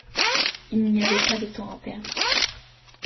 Il n'y avait pas de temps à perdre.